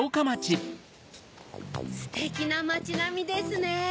ステキなまちなみですね。